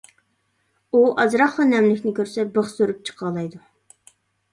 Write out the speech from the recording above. ئۇ ئازراقلا نەملىكنى كۆرسە بىخ سۈرۈپ چىقالايدۇ.